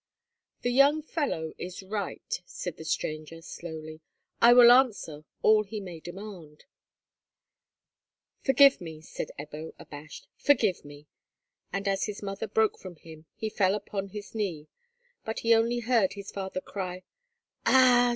"The young fellow is right," said the stranger, slowly. "I will answer all he may demand." "Forgive me," said Ebbo, abashed, "forgive me;" and, as his mother broke from him, he fell upon his knee; but he only heard his father's cry, "Ah!